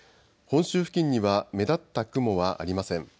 本州付近には目立った雲はありません。